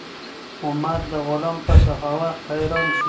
عمر د غلام په سخاوت حیران شو.